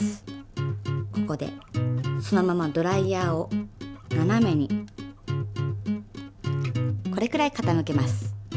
ここでそのままドライヤーをななめにこれくらい傾けます。